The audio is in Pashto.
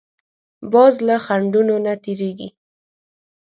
باز له خنډونو نه تېرېږي